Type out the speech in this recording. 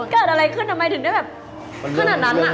เกิดอะไรขึ้นทำไมถึงได้แบบขนาดนั้นอ่ะ